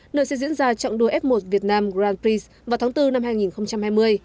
nơi sẽ diễn ra trọng đua f một việt nam grand prix vào tháng bốn năm hai nghìn hai mươi